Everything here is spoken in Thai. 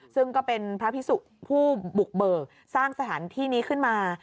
ซึ่งก็เป็นพระพิสุผู้บุกเบิกสร้างสถานที่นี้ขึ้นมา